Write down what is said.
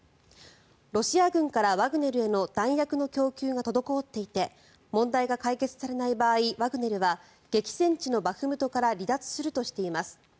ロシア軍からワグネルへの弾薬の供給が滞っていて問題が解決されない場合ワグネルは激戦地のバフムトから離脱するとしています。